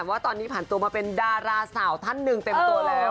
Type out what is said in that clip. ว่าตอนนี้ผ่านตัวมาเป็นดาราสาวท่านหนึ่งเต็มตัวแล้ว